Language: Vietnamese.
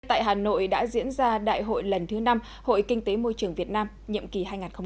tại hà nội đã diễn ra đại hội lần thứ năm hội kinh tế môi trường việt nam nhiệm kỳ hai nghìn hai mươi hai nghìn hai mươi năm